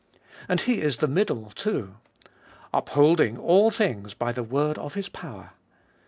And He is the Middle, too. Upholding all things by the word of His power.